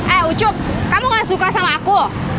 eh ucup kamu gak suka sama aku